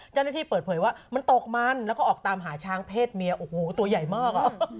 เจ้าหน้าที่เปิดเผยว่ามันตกมันแล้วก็ออกตามหาช้างเพศเมียโอ้โหตัวใหญ่มากอ่ะ